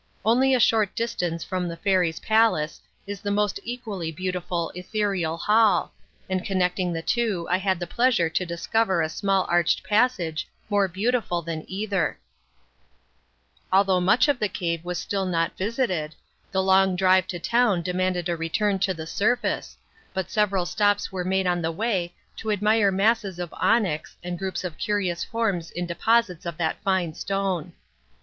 Only a short distance from the Fairies' Palace is the almost equally beautiful Ethereal Hall, and connecting the two I had the pleasure to discover a small arched passage more beautiful than either. [Illustration: Fairies' Palace. Page 165.] Although much of the cave was still not visited, the long drive to town demanded a return to the surface, but several stops were made on the way to admire masses of onyx and groups of curious forms in deposits of that fine stone.